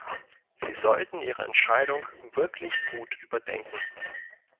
Sie sollten Ihre Entscheidung wirklich gut überdenken!